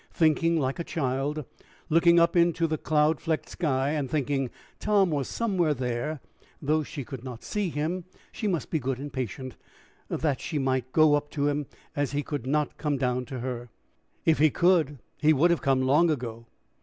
thinking like a child, looking up into the cloud flecked sky, and thinking Tom was somewhere there, though she could not see him: she must be good and patient, that she might go up to him, as he could not come down to her if he could, he would have come long ago!